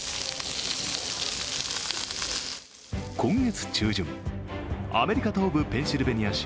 今月中旬、アメリカ東部ペンシルベニア州